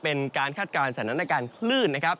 เป็นการคาดการณ์สัดนั้นในการเคลื่อนนะครับ